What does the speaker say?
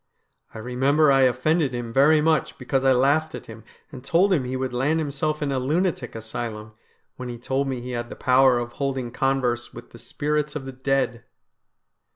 I remember I offended him very much because I laughed at him and told him he would land himself in a lunatic asylum, when he told me he had the power of holding converse with the spirits of the dead.'